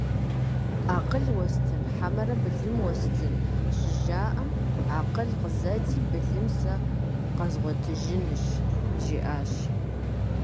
«Акъыл уэстын, хьэмэрэ былым уэстын?» - щыжаӀэм, «Акъыл къызэти, былым сэ къэзгъуэтыжынщ», - жиӀащ.